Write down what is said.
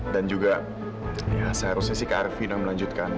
dan juga ya seharusnya sih kak arvinda melanjutkan